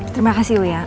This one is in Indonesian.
terima kasih uya